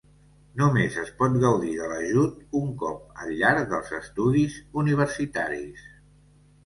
Només es pot gaudir de l'ajut un cop al llarg dels estudis universitaris.